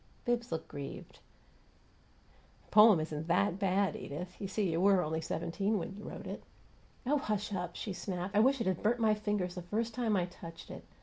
Bibbs looked grieved. "The poem isn't THAT bad, Edith. You see, you were only seventeen when you wrote it." "Oh, hush up!" she snapped. "I wish it had burnt my fingers the first time I touched it.